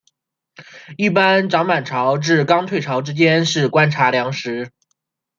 一般涨满潮至刚退潮之间是观察良时。